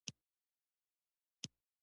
بس په نه خبره ورور او ورور سره ولي.